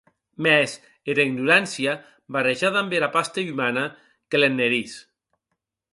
Mès era ignorància, barrejada damb era pasta umana, que l’ennerís.